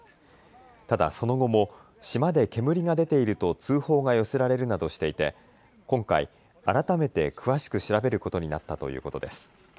ただ、その後も島で煙が出ていると通報が寄せられるなどしていて今回改めて詳しく調べることになったということです。